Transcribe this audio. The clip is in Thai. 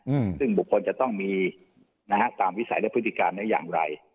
อืมซึ่งบุคคลจะต้องมีนะฮะตามวิสัยและพฤติการนี้อย่างไร